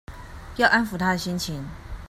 要安撫她的心情